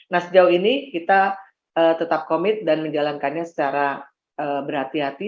nah sejauh ini kita tetap komit dan menjalankannya secara berhati hati